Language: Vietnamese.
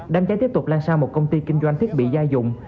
đám cháy tiếp tục lan sang một công ty kinh doanh thiết bị gia dụng